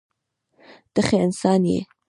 ته ښه انسان یې.